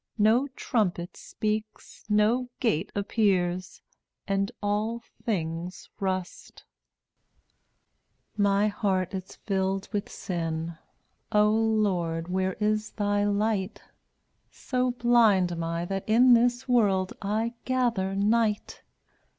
No trumpet speaks, no gate Appears, and all things rust, h 0Utt$ fi\ft%*Y My heart is filled with sin. JP* O Lord, where is Thy light? (tv£/ So blind am I that in This world I gather night.